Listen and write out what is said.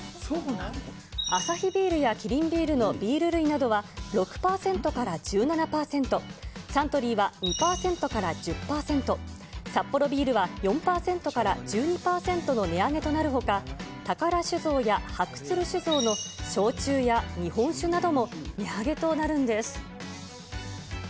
アサヒビールやキリンビールのビール類などは、６％から１７％、サントリーは２％から１０％、サッポロビールは４％から１２％の値上げとなるほか、宝酒造や白鶴酒造の焼酎や日本酒なども値上げとなるんです。